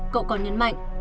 cậu còn nhấn mạnh